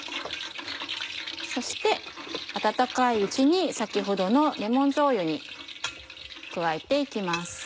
そして温かいうちに先ほどのレモンじょうゆに加えて行きます。